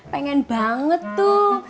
pengen banget tuh